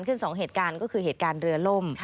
สองเหตุการณ์ก็คือเหตุการณ์เรือล่ม